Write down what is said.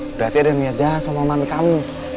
berarti ada niat jahat sama mami kamu